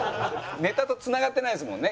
ネタとつながってないですもんね